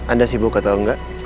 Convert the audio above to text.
anda sibuk atau enggak